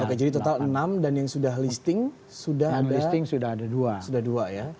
oke jadi total enam dan yang sudah listing sudah ada listing sudah dua ya